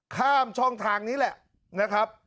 ข้ามช่องทางนี้แหละนะครับ